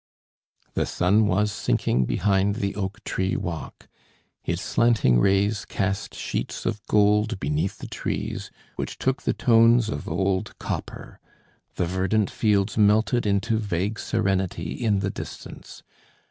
The sun was sinking behind the oak tree walk. Its slanting rays cast sheets of gold beneath the trees, which took the tones of old copper. The verdant fields melted into vague serenity in the distance.